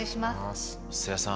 瀬谷さん。